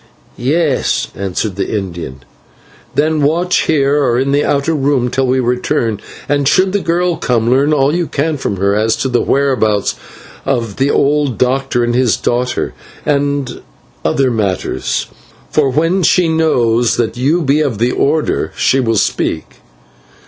"Yes," answered the Indian. "Then watch here, or in the outer room, till we return, and should the girl come, learn all you can from her as to the whereabouts of the old doctor and his daughter, and other matters, for when she knows you to be of the Order she will speak.